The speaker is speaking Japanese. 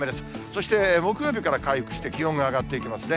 そして、木曜日から回復して、気温が上がっていきますね。